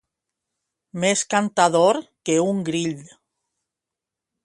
Més cantador que un grill.